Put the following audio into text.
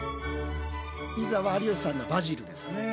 ピザは有吉さんのはバジルですね。